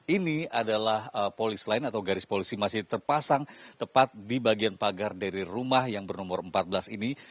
ini adalah polis lain atau garis polisi masih terpasang tepat di bagian pagar dari rumah yang bernomor empat belas ini